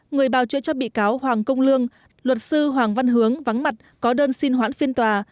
người bảo chữa cho bị cáo hoàng công lương luật sư hoàng văn hướng vắng mặt có đơn xin hoãn phiên tòa